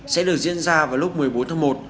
sẽ được diễn ra vào lúc một mươi bốn tháng một